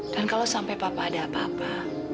dan kalau sampai papa ada apa apa